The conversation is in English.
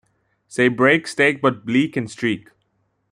Say break, steak, but bleak and streak